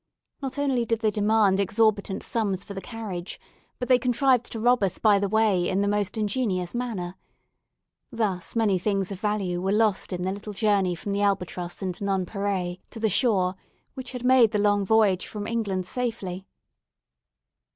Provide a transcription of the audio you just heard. Not only did they demand exorbitant sums for the carriage, but they contrived to rob us by the way in the most ingenious manner. Thus many things of value were lost in the little journey from the "Albatross" and "Nonpareil" to the shore, which had made the long voyage from England safely.